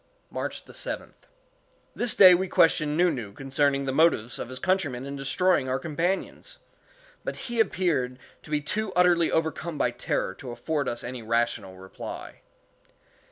March 7th. This day we questioned Nu Nu concerning the motives of his countrymen in destroying our companions; but he appeared to be too utterly overcome by terror to afford us any rational reply.